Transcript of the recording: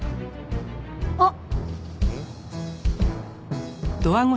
あっ！